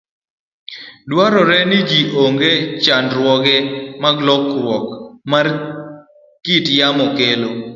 Dwarore ni ji ong'e chandruoge ma lokruok mar kit yamo kelo.